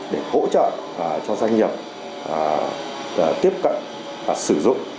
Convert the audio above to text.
để hỗ trợ cho doanh nghiệp tiếp cận và sử dụng